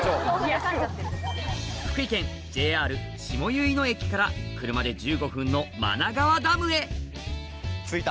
福井県ＪＲ下唯野駅から車で１５分の真名川ダムへ着いた。